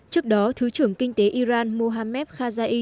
trước đó thứ trưởng kinh tế iran mohamed khazai